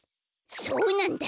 そうなんだ！